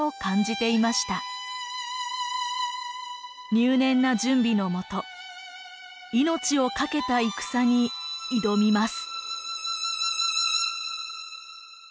入念な準備のもと命を懸けた戦に挑みます。